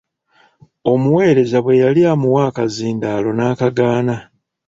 Omuweereza bwe yali amuwa akazindaala n'akagaana.